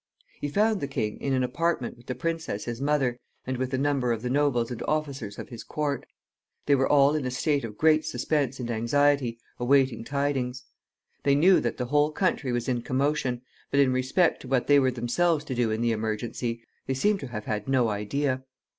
He found the king in an apartment with the princess his mother, and with a number of the nobles and officers of his court. They were all in a state of great suspense and anxiety, awaiting tidings. They knew that the whole country was in commotion, but in respect to what they were themselves to do in the emergency they seem to have had no idea.